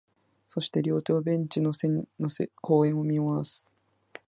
そして、両手をベンチの背に乗せ、公園を見回す